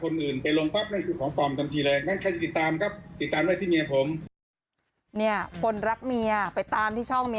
นั่นใครจะติดตามก็ติดตามไว้ที่เมียผม